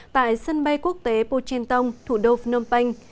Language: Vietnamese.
tại sân bay quốc tế pochentong thủ đô phnom penh